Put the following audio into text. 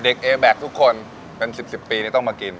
เด็กเอเบกทุกคนเป็น๑๐ปีต้องมากิน